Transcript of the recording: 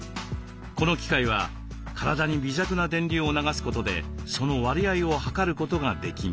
この機械は体に微弱な電流を流すことでその割合を測ることができます。